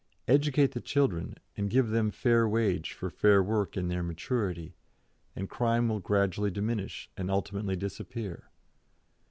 Educate the children, and give them fair wage for fair work in their maturity, and crime will gradually diminish and ultimately disappear.